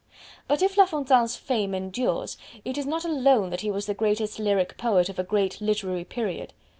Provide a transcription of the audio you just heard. But if La Fontaine's fame endures, it is not alone that he was the greatest lyric poet of a great literary period.